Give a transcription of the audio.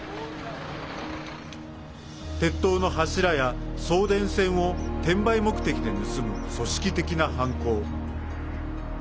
鉄塔の柱や送電線を転売目的で盗む、組織的な犯行。